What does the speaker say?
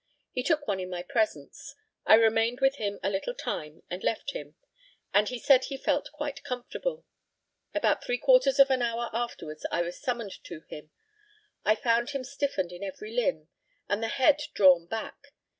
He took one in my presence. I remained with him a little time, and left him, as he said he felt quite comfortable. About three quarters of an hour afterwards I was summoned to him. I found him stiffened in every limb, and the head drawn back.